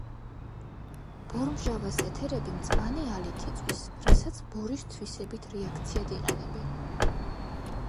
ბორმჟავას ეთერები მწვანე ალით იწვის, რასაც ბორის თვისებით რეაქციად იყენებენ.